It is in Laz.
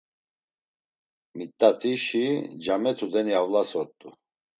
Mit̆atişi came tudeni avlas ort̆u.